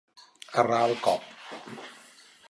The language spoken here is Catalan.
Errar el cop.